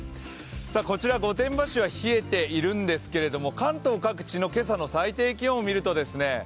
こちら御殿場市は冷えているんですけれども、関東各地の今朝の最低気温を見ていくとですね